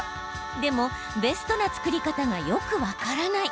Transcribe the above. でもベストな作り方がよく分からない。